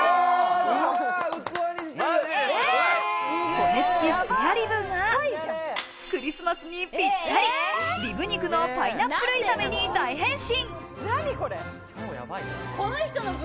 骨付きスペアリブがクリスマスにぴったり、リブ肉のパイナップル炒めに大変身！